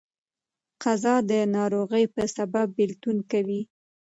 قضا د ناروغۍ په سبب بيلتون کوي.